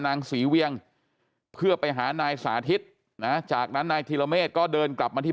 นางศรีเวียงเพื่อไปหานายสาธิตนะจากนั้นนายธิรเมฆก็เดินกลับมาที่